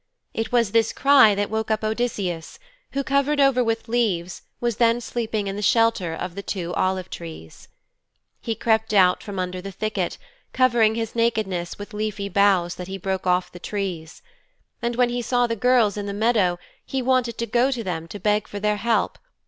It was this cry that woke up Odysseus who, covered over with leaves, was then sleeping in the shelter of the two olive trees. He crept out from under the thicket, covering his nakedness with leafy boughs that he broke off the trees. And when he saw the girls in the meadow he wanted to go to them to beg for their help.